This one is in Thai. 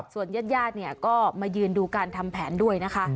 ส่วนญาติเนี่ยก็มายืนดูการทำแผนด้วยนะคะ